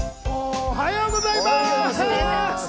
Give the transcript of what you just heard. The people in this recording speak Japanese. おはようございます！